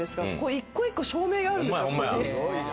一個一個照明があるんですよ。